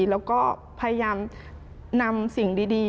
แล้วก็พยายามนำสิ่งดี